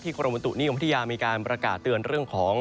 กรมบุตุนิยมพัทยามีการประกาศเตือนเรื่องของ